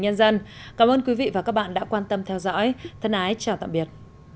thông tin cảm ơn quý vị và các bạn đã quan tâm theo dõi thân ái chào tạm biệt